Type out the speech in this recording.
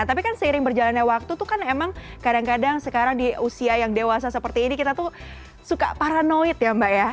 tapi kan seiring berjalannya waktu tuh kan emang kadang kadang sekarang di usia yang dewasa seperti ini kita tuh suka paranoid ya mbak ya